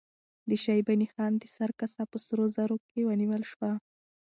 د شیباني خان د سر کاسه په سرو زرو کې ونیول شوه.